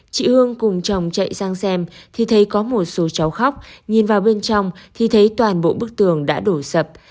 chị hương cùng chồng chạy sang xem thì thấy có một số cháu khóc nhìn vào bên trong thì thấy toàn bộ bức tường đã đổ sập